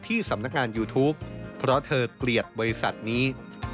ที่สำนักงานยูทูปเพราะเธอเกลียดบริษัทนี้